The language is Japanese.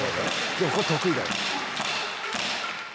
でもこれ得意だから。